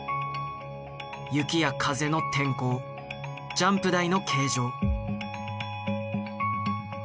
雪や風の天候ジャンプ台の形状。